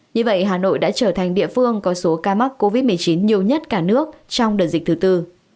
như vậy hà nội đã trở thành địa phương có số ca mắc covid một mươi chín nhiều nhất cả nước trong đợt dịch thứ tư